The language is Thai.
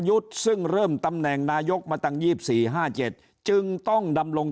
ยุทธ์ซึ่งเริ่มตำแหน่งนายกมาตั้ง๒๔๕๗จึงต้องดำรง